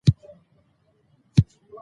د هیواد د خپلواکۍ تاریخ زموږ د ویاړ نښه ده.